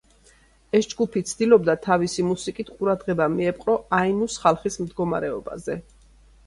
ეს ჯგუფი ცდილობდა თავისი მუსიკით ყურადღება მიეპყრო აინუს ხალხის მდგომარეობაზე.